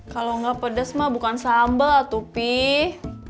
kalau nggak pedes mah bukan sambel atu pih